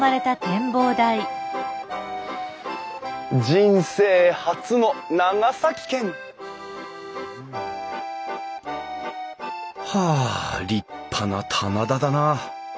人生初の長崎県！はあ立派な棚田だな。